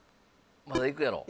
まだいくやろ。